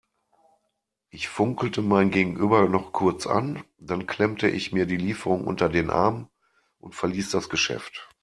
Ich funkelte mein Gegenüber noch kurz an, dann klemmte ich mir die Lieferung unter den Arm und verließ das Geschäft.